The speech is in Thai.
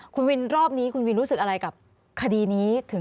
คุณวินรอบนี้คุณวินรู้สึกอะไรกับคดีนี้ถึง